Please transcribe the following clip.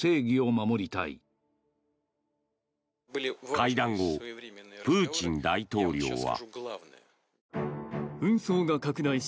会談後、プーチン大統領は。